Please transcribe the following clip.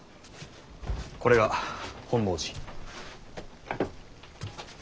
これが本能寺。